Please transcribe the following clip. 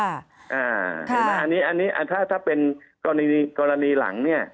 อันนี้ถ้าเป็นกรณีหลัง